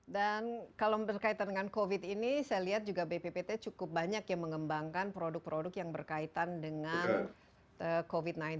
dan kalau berkaitan dengan covid ini saya lihat juga bpt cukup banyak yang mengembangkan produk produk yang berkaitan dengan covid sembilan belas